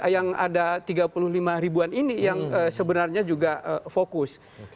yang ada tiga puluh lima ribuan ini yang sebenarnya juga fokus